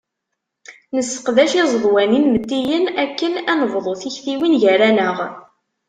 Nesseqdac iẓeḍwan inmettiyen akken ad nebḍu tiktiwin gar-aneɣ.